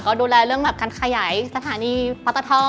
ก็ดูแลเรื่องแบบการขยายสถานีปตท